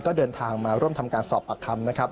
ก็เดินทางมาร่วมทำการสอบปากคำนะครับ